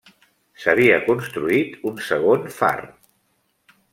S'havia construït un segon far.